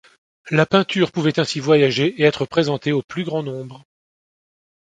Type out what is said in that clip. La peinture pouvait ainsi voyager et être présentée au plus grand nombre.